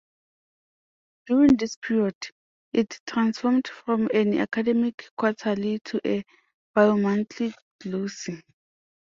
During this period, it transformed from an academic quarterly to a bimonthly glossy.